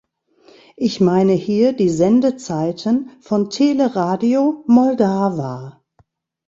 Ich meine hier die Sendezeiten von Teleradio Moldava.